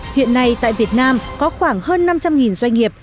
hiện nay tại việt nam có khoảng hơn năm trăm linh doanh nghiệp